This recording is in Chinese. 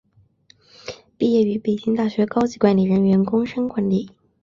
毕业于北京大学高级管理人员工商管理。